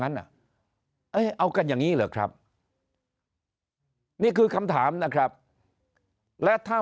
นั้นเอากันอย่างนี้เหรอครับนี่คือคำถามนะครับและถ้า